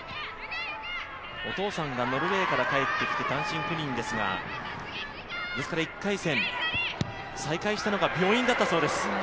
お父さんがノルウェーから帰ってきて単身赴任ですが、１回戦、再会したのが病院だったそうです。